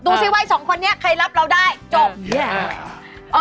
ดูสิว่าสองคนนี้ใครรับเราได้จบ